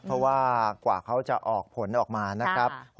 เพราะว่ากว่าเขาจะออกผลออกมานะครับ